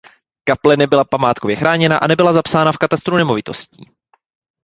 Kaple nebyla památkově chráněna a nebyla zapsána v katastru nemovitostí.